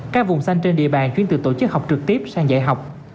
các vùng xanh trên địa bàn chuyển từ tổ chức học trực tiếp sang dạy học